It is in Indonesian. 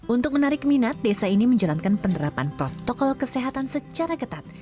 untuk menarik minat desa ini menjalankan penerapan protokol kesehatan secara ketat